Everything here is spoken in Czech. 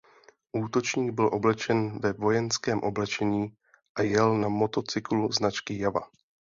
Útočník byl oblečen ve vojenském oblečení a jel na motocyklu značky Jawa.